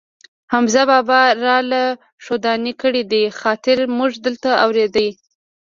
حمزه بابا را له ښودانې کړی دي، خاطر مونږ دلته اورېدی.